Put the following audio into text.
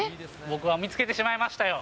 僕は見つけてしまいましたよ！